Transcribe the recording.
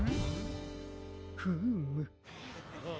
フーム。